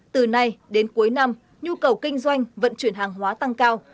từ nay đến cuối năm nhu cầu kinh doanh vận chuyển hàng hóa tăng cao